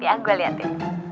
ya gue liat ya